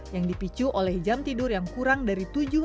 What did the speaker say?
yang dipicu oleh jam tidur yang kurang dari tujuh puluh